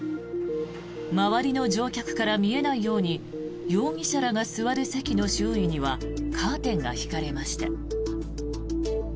周りの乗客から見えないように容疑者らが座る席の周囲にはカーテンが引かれました。